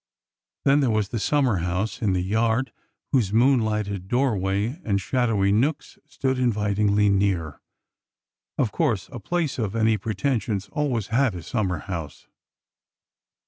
Then there was the sum mer house in the yard, whose moonlighted doorway and shadowy nooks stood invitingly near. Of course, a place of any pretensions always had a summer house.